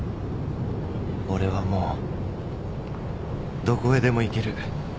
俺はもうどこへでも行ける。